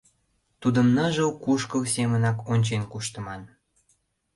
Тудым ныжыл кушкыл семынак ончен куштыман.